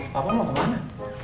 papa mau kemana